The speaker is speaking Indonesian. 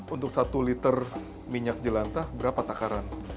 untuk satu liter minyak jelantah berapa takaran